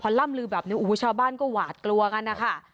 ล่ำลือแบบนี้โอ้โหชาวบ้านก็หวาดกลัวกันนะคะ